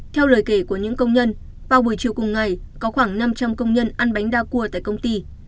theo lời kể của những công nhân vào buổi chiều cùng ngày có khoảng năm trăm linh công nhân ăn bánh đa cua tại công ty